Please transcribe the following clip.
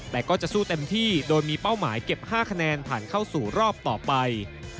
แต่ก็จะสู้เต็มที่โดยมีเป้าหมายเก็บ๕คะแนนผ่านเข้าสู่รอบต่อไป